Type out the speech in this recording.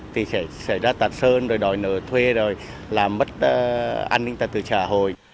thì sẽ ra tạt sơn rồi đòi nợ thuê rồi làm mất an ninh tài tử trả hồi